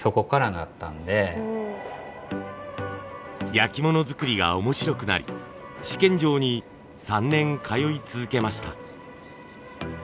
焼き物作りが面白くなり試験場に３年通い続けました。